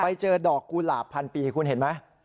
ไปเจอดอกกุหลาบพันปีคุณเห็นไหม